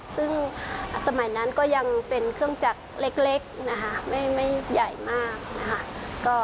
ซึ่งสมัยนั้นก็ยังเป็นเครื่องจักรเล็กนะคะไม่ใหญ่มากนะคะ